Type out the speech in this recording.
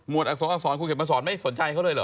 มวดอักษรอักษรครูเขียนมาสอนไหมสนใจเขาเลยเหรอ